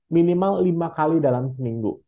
minimal lima kali dalam seminggu